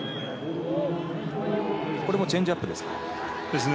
これもチェンジアップですか。